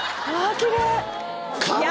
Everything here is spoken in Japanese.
きれい！